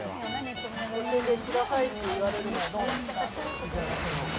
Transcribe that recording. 教えてくださいって言われるのはどうなんですか？